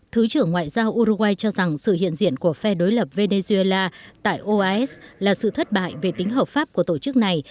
thứ trưởng ngoại giao uruguay cho rằng sự hiện diện của phe đối lập venezuela tại oas là sự thất bại về tính hợp pháp của tổ chức này